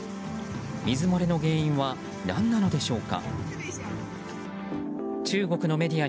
水漏れの原因は何なのでしょうか。